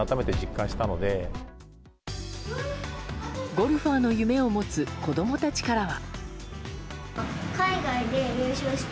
ゴルファーの夢を持つ子供たちからは。